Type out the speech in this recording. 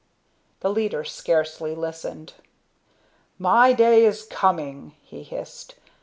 The leader scarcely listened. "My day is coming," he hissed.